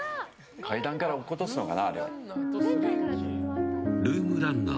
階段から落っことすのかな。